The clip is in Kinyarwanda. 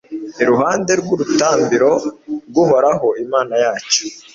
iruhande rw'urutambiro rw'uhoraho, imana yacu